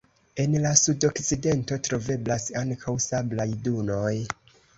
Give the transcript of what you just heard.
En la sudokcidento troveblas ankaŭ sablaj dunoj.